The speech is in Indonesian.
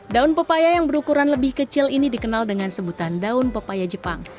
daun pepaya yang berukuran lebih kecil ini dikenal dengan sebutan daun pepaya jepang